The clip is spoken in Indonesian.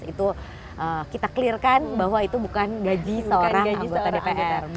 itu kita clear kan bahwa itu bukan gaji seorang ibu kota dpr